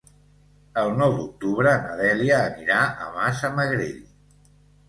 El nou d'octubre na Dèlia anirà a Massamagrell.